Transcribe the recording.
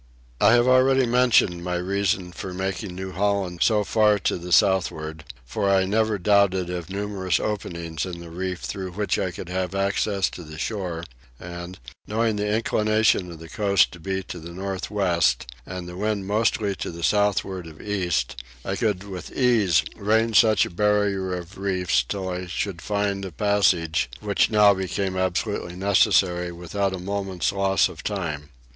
I have already mentioned my reason for making New Holland so far to the southward: for I never doubted of numerous openings in the reef through which I could have access to the shore and, knowing the inclination of the coast to be to the north west and the wind mostly to the southward of east, I could with ease range such a barrier of reefs till I should find a passage, which now became absolutely necessary, without a moment's loss of time.